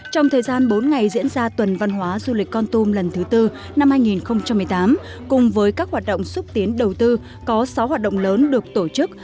trong thời gian bốn ngày diễn ra tuần văn hóa du lịch con tum lần thứ tư năm hai nghìn một mươi tám cùng với các hoạt động xúc tiến đầu tư có sáu hoạt động lớn được tổ chức